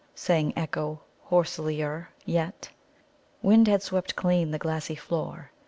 sang echo hoarselier yet. Wind had swept clean the glassy floor.